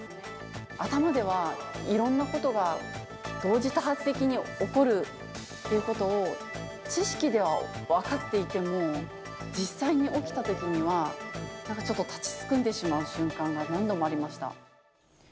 頭ではいろんなことが同時多発的に起こるっていうことを、知識では分かっていても、実際に起きたときには、なんかちょっと立ちすくんでしまう瞬間が何度もありました。